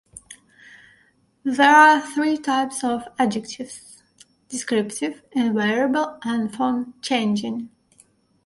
There are three types of adjectives: descriptive, invariable and form-changing.